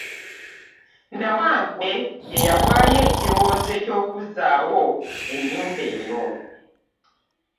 Nawangwe ye yawaayo ekirowoozo ky'okuzzaawo ennyumba eno